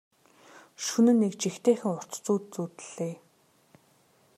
Шөнө нь нэг жигтэйхэн урт зүүд зүүдэллээ.